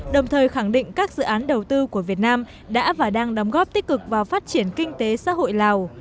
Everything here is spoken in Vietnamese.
đồng thời khẳng định các dự án đầu tư của việt nam đã và đang đóng góp tích cực vào phát triển kinh tế xã hội lào